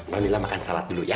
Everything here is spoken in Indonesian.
manila makan salad dulu ya